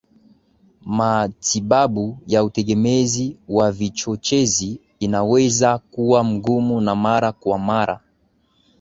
Matibabu ya utegemezi wavichochezi inaweza kuwa ngumu na mara kwa mara